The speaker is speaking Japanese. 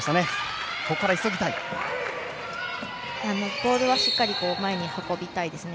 ボールはしっかり前に運びたいですね。